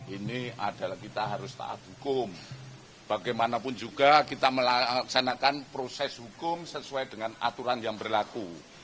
ini adalah kita harus taat hukum bagaimanapun juga kita melaksanakan proses hukum sesuai dengan aturan yang berlaku